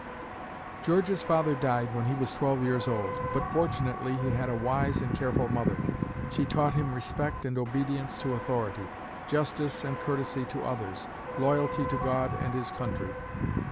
George's father died when he was twelve years old, but, fortunately, he had a wise and careful mother. She taught him respect and obedience to authority; justice and courtesy to others; loyalty to God and his country.